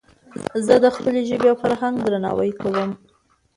زه د خپلي ژبي او فرهنګ درناوی کوم.